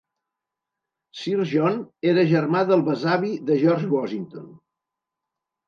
Sir John era germà del besavi de George Washington.